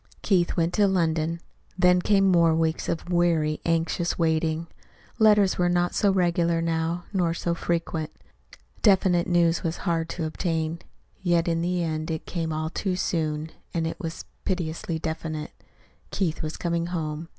Keith went to London. Then came more weeks of weary, anxious waiting. Letters were not so regular now, nor so frequent. Definite news was hard to obtain. Yet in the end it came all too soon and it was piteously definite. Keith was coming home.